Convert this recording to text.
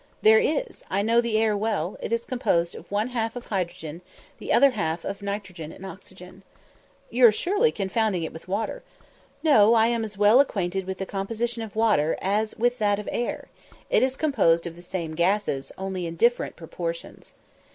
"There is; I know the air well: it is composed one half of hydrogen, the other half of nitrogen and oxygen." "You're surely confounding it with water." "No, I am as well acquainted with the composition of water as with that of air; it is composed of the same gases, only in different proportions."